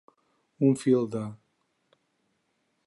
Un fil de.